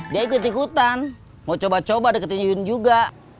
dia ikut ikutan mau coba coba deketin nyun juga